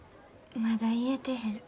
まだ言えてへん。